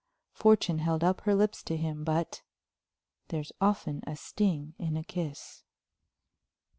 Fortune held up her lips to him, but there's often a sting in a kiss.